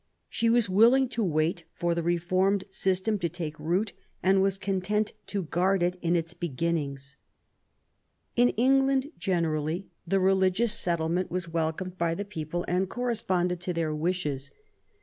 She was willing to wait for the reformed system to take root and was content to guard it in its beginnings. In England generally the religious settlement was welcomed by the people and corresponded to their wishes.